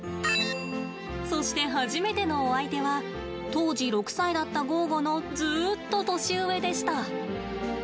そして、初めてのお相手は当時６歳だったゴーゴのずっと年上でした。